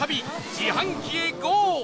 自販機へゴー！